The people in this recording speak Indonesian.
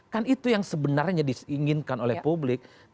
kan itu yang sebenarnya disinginkan dengan dpru dan dpru